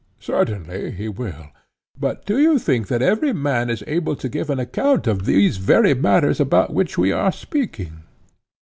Certainly, he will. But do you think that every man is able to give an account of these very matters about which we are speaking?